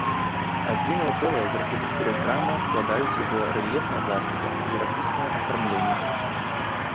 Адзінае цэлае з архітэктурай храма складаюць яго рэльефная пластыка, жывапіснае афармленне.